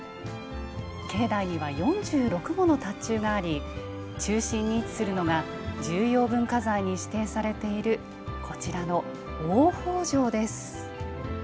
境内には４６もの塔頭があり中心に位置するのが重要文化財に指定されているこちらの大方丈です。